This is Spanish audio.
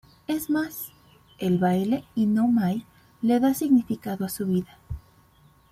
Es más, el baile y no Mai, le da significado a su vida.